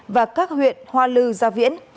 và các huyện hoa lư gia viễn